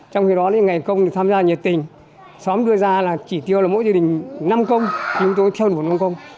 trong khi đó những ngày công thì tham gia nhiệt tình xóm đưa ra là chỉ tiêu là mỗi gia đình năm công chúng tôi theo nguồn nông công